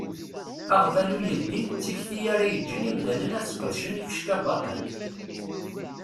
Aɣbalu yeldin d tikti ara yeǧǧen imdanen ad sqedcen ifecka baṭel.